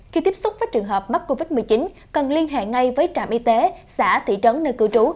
khi tiếp xúc với trường hợp mắc covid một mươi chín cần liên hệ ngay với trạm y tế xã thị trấn nơi cư trú